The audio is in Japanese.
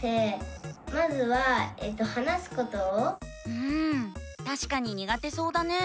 うんたしかににがてそうだね。